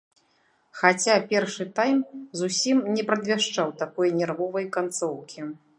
Хаця першы тайм зусім не прадвяшчаў такой нервовай канцоўкі.